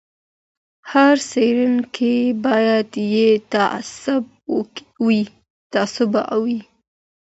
هر څېړونکی باید بې تعصبه وي.